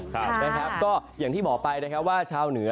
ก็อย่างที่บอกไปว่าชาวเหนือ